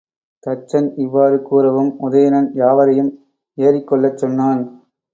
தச்சன் இவ்வாறு கூறவும் உதயணன் யாவரையும் ஏறிக்கொள்ளச் சொன்னான்.